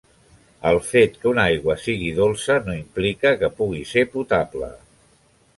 El fet que una aigua sigui dolça no implica que pugui ser potable.